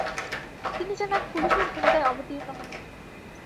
তিনি যেন এক পুলিশের ভূমিকায় অবতীর্ণ হতেন।